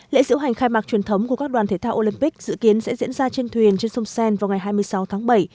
lễ diễu hành khai mạc truyền thống của các đoàn thể thao olympic dự kiến sẽ diễn ra trên thuyền trên sông sen vào ngày hai mươi sáu tháng bảy